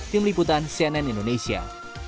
tim liputan cnn indonesia